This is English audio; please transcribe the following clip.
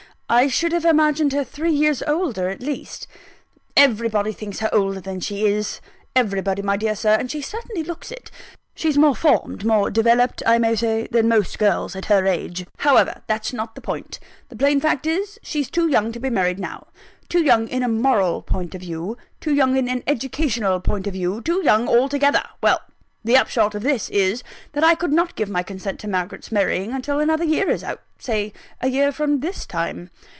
I should have imagined her three years older at least." "Everybody thinks her older than she is everybody, my dear Sir and she certainly looks it. She's more formed, more developed I may say, than most girls at her age. However, that's not the point. The plain fact is, she's too young to be married now too young in a moral point of view; too young in an educational point of view; too young altogether. Well: the upshot of this is, that I could not give my consent to Margaret's marrying, until another year is out say a year from this time.